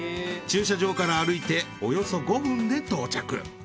駐車場から歩いておよそ５分で到着。